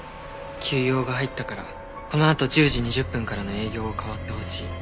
急用が入ったからこのあと１０時２０分からの営業を代わってほしい。